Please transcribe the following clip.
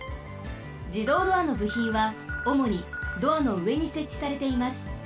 じどうドアのぶひんはおもにドアのうえにせっちされています。